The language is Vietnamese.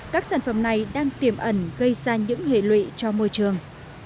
các sản phẩm này đang tiềm ẩn gây ra những hệ lụy cho môi trường